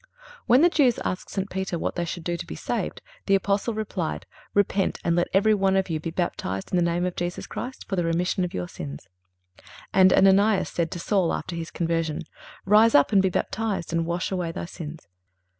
(346) When the Jews asked St. Peter what they should do to be saved the Apostle replied: "Repent, and let everyone of you be baptized in the name of Jesus Christ for the remission of your sins."(347) And Ananias said to Saul, after his conversion: "Rise up and be baptized, and wash away thy sins."